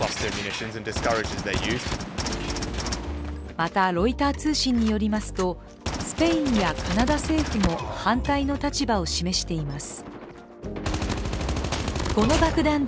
また、ロイター通信によりますと、スペインやカナダ政府も反対の立場を示しています。